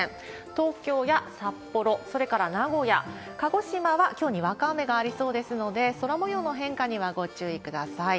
東京や札幌、それから名古屋、鹿児島はきょうにわか雨がありそうですので、空もようの変化にはご注意ください。